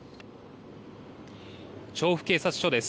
調布警察署です。